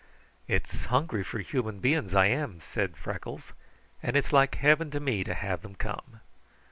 "It's hungry for human beings I am," said Freckles, "and it's like Heaven to me to have them come.